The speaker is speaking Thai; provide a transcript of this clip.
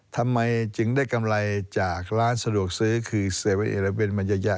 ทำไมจึงได้กำไรจากร้านสะดวกซื้อคือ๗๑๑มาเยอะแยะ